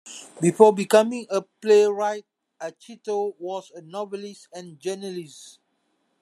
Before becoming a playwright, Acito was a novelist and journalist.